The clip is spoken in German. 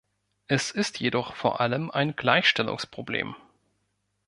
Es ist jedoch vor allem ein Gleichstellungsproblem.